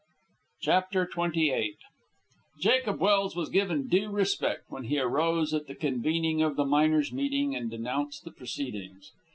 CHAPTER XXVIII Jacob Welse was given due respect when he arose at the convening of the miners' meeting and denounced the proceedings.